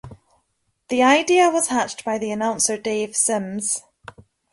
This idea was hatched by the announcer Dave Simms.